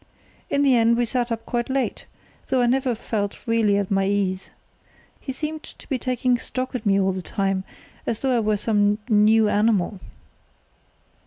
In the end we sat up quite late, though I never felt really at my ease. He seemed to be taking stock of me all the time, as though I were some new animal."